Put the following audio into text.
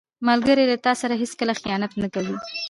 ملګری له تا سره هیڅکله خیانت نه کوي